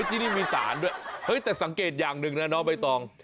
ที่นี่มีสารด้วยเฮ้ยแต่สังเกตอย่างหนึ่งนะน้องใบตอง